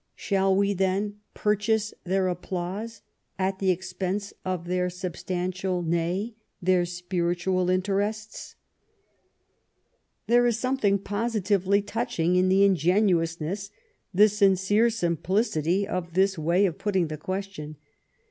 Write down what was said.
Shall we then purchase their applause at the expense of their substantial, nay, their spiritual interests ?" There is something positively touching in the ingenuousness, the sincere simplicity, of this way of putting the question.